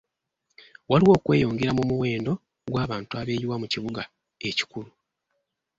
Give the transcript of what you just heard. Waliwo okweyongera mu muwendo gw'abantu abeeyiwa mu kibuga ekikulu.